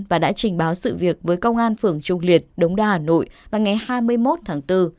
và đã trình báo sự việc với công an phường trung liệt đống đa hà nội vào ngày hai mươi một tháng bốn